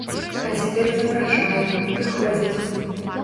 А цяпер запрашаю, прыходзяць.